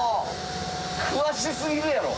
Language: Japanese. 詳しすぎるやろ。